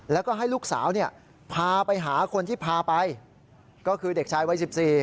แล้วก็ให้ลูกสาวพาไปหาคนที่พาไปก็คือเด็กชายวัย๑๔